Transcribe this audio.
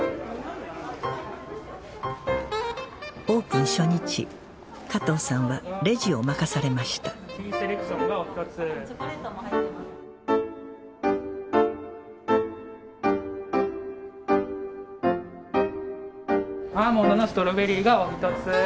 オープン初日加藤さんはレジを任されましたアーモンドのストロベリーがおひとつ。